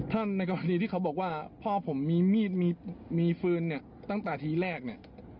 ในกรณีที่เขาบอกว่าพ่อผมมีมีดมีฟืนเนี่ยตั้งแต่ทีแรกเนี่ย